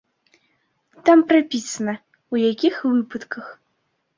Там прапісана, у якіх выпадках.